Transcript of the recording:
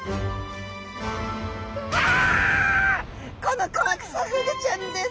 この子はクサフグちゃんです。